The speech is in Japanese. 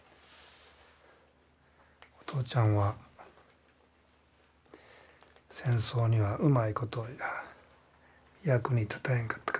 お父ちゃんは戦争にはうまいこと役に立たへんかったかもしらん。